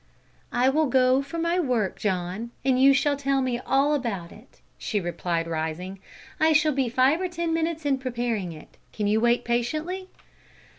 "I will go for my work, John, and you shall tell me all about it," she replied, rising. "I shall be five or ten minutes in preparing it. Can you wait patiently?"